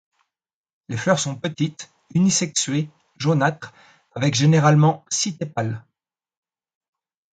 Les fleurs sont petites, unisexuées, jaunâtres, avec généralement six tépales.